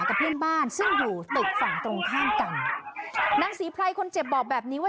กับเพื่อนบ้านซึ่งอยู่ตึกฝั่งตรงข้ามกันนางศรีไพรคนเจ็บบอกแบบนี้ว่า